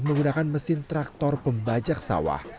menggunakan mesin traktor pembajak sawah